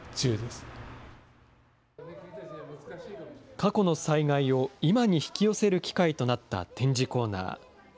過去の災害を今に引き寄せる機会となった展示コーナー。